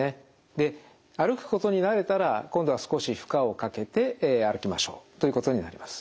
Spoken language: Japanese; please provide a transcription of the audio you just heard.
で歩くことに慣れたら今度は少し負荷をかけて歩きましょうということになります。